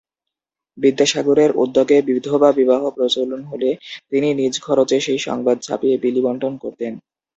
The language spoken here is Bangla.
বিদ্যাসাগরের উদ্যোগে বিধবা বিবাহ প্রচলন হলে তিনি নিজের খরচে সেই সংবাদ ছাপিয়ে বিলি বণ্টন করতেন।